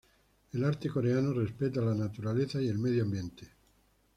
El arte coreano respeta la naturaleza y el medio ambiente.